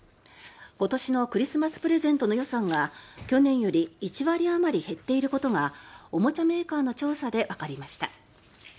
今年のクリスマスプレゼントの予算が去年より１割あまり減っていることがおもちゃメーカーの調査でわかりました。